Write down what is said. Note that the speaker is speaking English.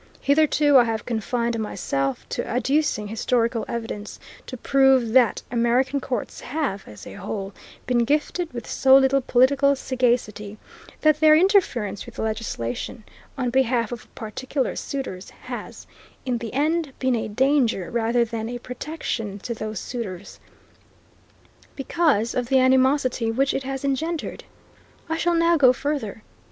Hitherto I have confined myself to adducing historical evidence to prove that American courts have, as a whole, been gifted with so little political sagacity that their interference with legislation, on behalf of particular suitors, has, in the end, been a danger rather than a protection to those suitors, because of the animosity which it has engendered. I shall now go further.